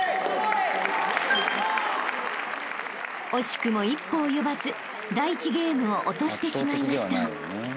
［惜しくも一歩及ばず第１ゲームを落としてしまいました］